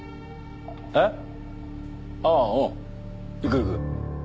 えっ？ああおう行く行く。